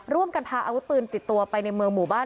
พาอาวุธปืนติดตัวไปในเมืองหมู่บ้าน